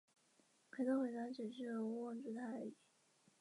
此时施明德等人就已经开始筹划一份党外杂志。